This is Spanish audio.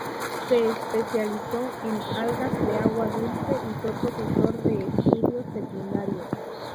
Se especializó en algas de agua dulce, y fue profesor de estudios secundarios.